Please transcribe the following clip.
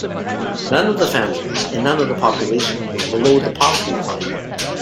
None of the families and none of the population were below the poverty line.